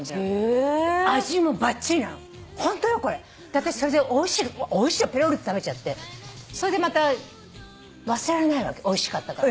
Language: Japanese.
私それでおいしいからペロリと食べちゃってそれでまた忘れられないわけおいしかったから。